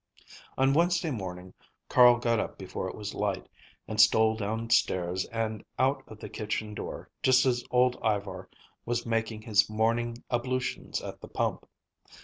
On Wednesday morning Carl got up before it was light, and stole downstairs and out of the kitchen door just as old Ivar was making his morning ablutions at the pump.